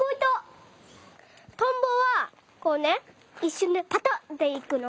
トンボはこうねいっしゅんでパタッでいくの。